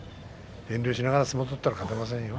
遠慮しながら相撲を取ったら勝てませんよ。